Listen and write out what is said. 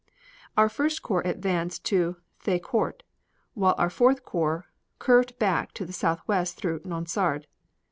Our First Corps advanced to Thiaucourt, while our Fourth Corps curved back to the southwest through Nonsard.